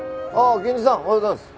源治さんおはようございます。